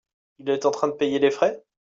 Il est en train de payer les frais ?